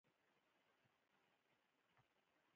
انګلیسي د جغرافیې ژبه ده